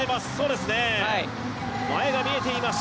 前が見えています。